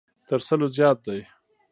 تر سلو زیات دی.